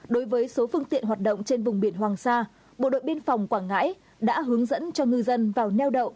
đối với số phương tiện hoạt động trên vùng biển hoàng sa bộ đội biên phòng quảng ngãi đã hướng dẫn cho ngư dân vào neo đậu